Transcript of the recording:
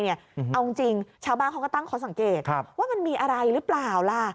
เอาจริงชาวบ้านเขาก็ตั้งข้อสังเกตว่ามันมีอะไรหรือเปล่าล่ะ